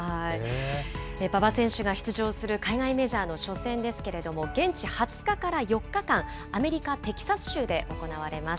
馬場選手が出場する海外メジャーの初戦ですけれども、現地２０日から４日間、アメリカ・テキサス州で行われます。